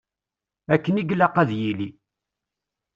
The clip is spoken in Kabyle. Akken i ilaq ad yili.